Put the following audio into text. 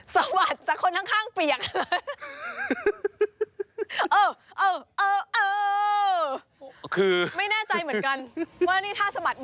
สะบัดสักคนข้างเกลียด